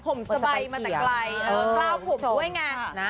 ผมสบายมาแต่ไกลเออเข้าผมด้วยไงน่ะ